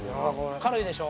軽いでしょ？